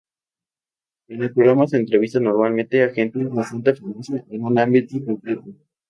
En el programa se entrevista normalmente a gente bastante famosa en un ámbito concreto.